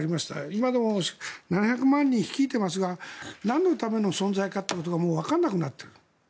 今でも７００万人を率いていますがなんのための存在かということがもうわからなくなっている。